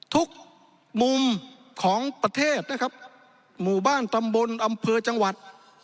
ทุกมุมของประเทศนะครับหมู่บ้านตำบลอำเภอจังหวัด